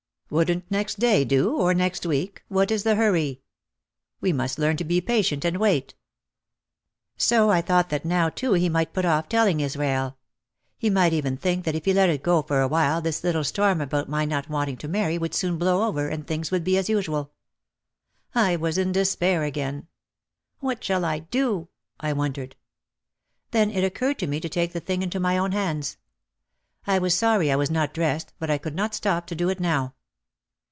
"Wouldn't next day do or next week, what is the hurry? We must learn to be patient and wait." So I thought that now too he might put off telling Israel. He might even think that if he let it go for a while this little OUT OF THE SHADOW 227 storm about my not wanting to marry would soon blow over and things would be as usual. I was in despair again. "What shall I do?" I wondered. Then it oc curred to me to take the thing into my own hands. I was sorry I was not dressed but I could not stop to do it now.